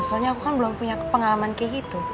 soalnya aku kan belum punya pengalaman kayak gitu